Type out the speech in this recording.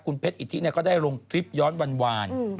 คุณเพชรอิทธิก็ได้ลงคลิปย้อนวาน